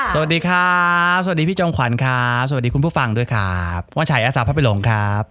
สวัสดีครับสวัสดีพี่จอมขวัญครับสวัสดีคุณผู้ฟังด้วยครับพ่อชัยอาสาพระไปหลงครับ